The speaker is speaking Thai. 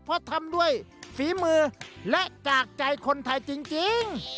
เพราะทำด้วยฝีมือและจากใจคนไทยจริง